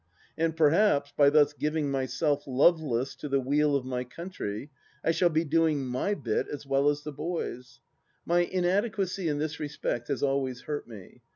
And perhaps, by thus giving myself, loveless, to the weal of my country, I shall be doing my bit as well as the " boys." My inadequacy in this respect has always hurt me.